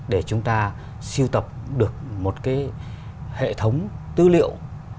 để chúng ta siêu tập được một cái hệ thống tư liệu